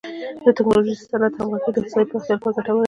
د ټکنالوژۍ سره د صنعت همغږي د اقتصادي پراختیا لپاره ګټوره ده.